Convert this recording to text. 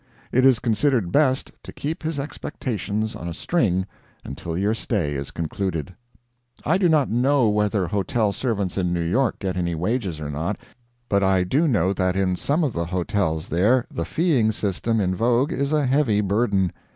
It is considered best to keep his expectations "on a string" until your stay is concluded. I do not know whether hotel servants in New York get any wages or not, but I do know that in some of the hotels there the feeing system in vogue is a heavy burden.